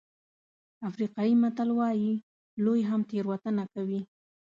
افریقایي متل وایي لوی هم تېروتنه کوي.